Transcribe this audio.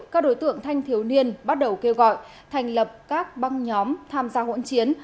các đối tượng thanh thiếu niên bắt đầu kêu gọi thành lập các băng nhóm tham gia hỗn chiến